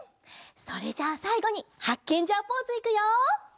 それじゃあさいごにハッケンジャーポーズいくよ！